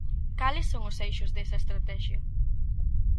Cales son os eixos desa estratexia?